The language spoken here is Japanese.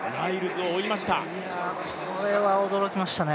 これは驚きましたね。